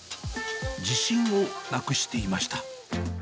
自信をなくしていました。